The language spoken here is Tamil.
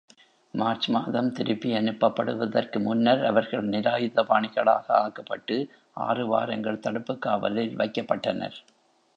மார்ச் மாதம் திருப்பி அனுப்பப்படுவதற்கு முன்னர் அவர்கள் நிராயுதபாணிகளாக ஆக்கப்பட்டு ஆறு வாரங்கள் தடுப்புக் காவலில் வைக்கப்பட்டனர்.